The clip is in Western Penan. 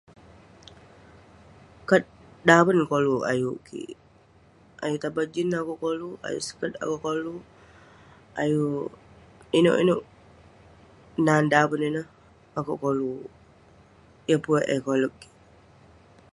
Kat daven koluk ayuk kik. Ayuk tabang jean akouk koluk, ayuk skirt akouk koluk, ayuk inouk inouk nan daven ineh akouk koluk. Yeng pun eh koleg kik.